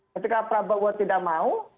ketika prabowo tidak mau